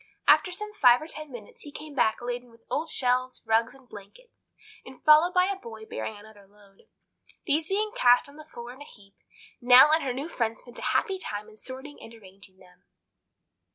After some five or ten minutes he came back laden with old shelves, rugs, and blankets, and followed by a boy bearing another load. These being cast on the floor in a heap, Nell and her new friend spent a happy time in sorting and arranging them.